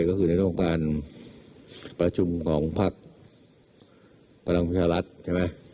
ก็คือในโรงการประชุมของภาคพลังวิทยาลักษณ์ใช่ไหม